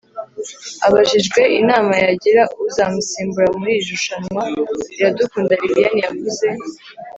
abajijwe inama yagira uzamusimbura muri iri rushanwa iradukunda liliane yavuze